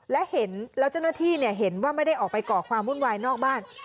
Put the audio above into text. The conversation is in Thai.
และเห็นแล้วเจ้าหน้าที่เห็นว่าไม่ได้ออกไปก่อความวุ่นวายนอกบ้าน